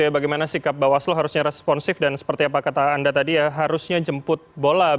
bagaimana sikap bawaslu harusnya responsif dan seperti apa kata anda tadi ya harusnya jemput bola